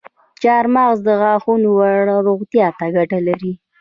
چارمغز د غاښونو روغتیا ته ګټه لري.